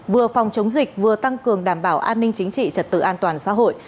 vừa phòng chống dịch vừa tăng cường đảm bảo an ninh chính trị trật tự an toàn xã hội